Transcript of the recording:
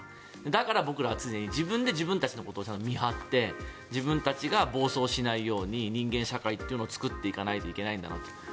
だから僕らは常に自分で自分たちのことをちゃんと見張って自分たちが暴走しないように人間社会を作っていかなきゃいけないんだろうなと。